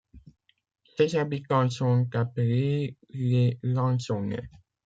Ses habitants sont appelés les Lançonnais.